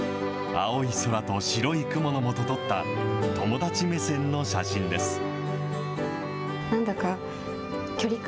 青い空と白い雲のもと撮った、友達目線の写真です。